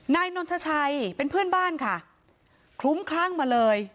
นายนนทชัยเป็นเพื่อนบ้านค่ะคลุ้มคลั่งมาเลย